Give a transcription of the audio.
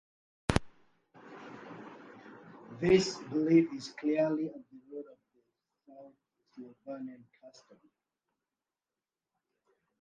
This belief is clearly at the root of the South Slavonian custom.